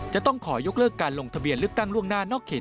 จะต้องขอยกเลิกการลงทะเบียนเลือกตั้งล่วงหน้านอกเขต